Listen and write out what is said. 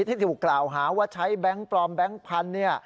ที่ถูกกล่าวหาว่าใช้แบงค์ปลอมแบงค์พันธุ์